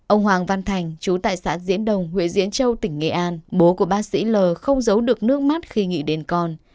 ông hoàng văn thành chú tại xã diễn đồng huyện diễn châu tỉnh nghệ an bố của bác sĩ l không giấu được nước mắt khi nghĩ đến con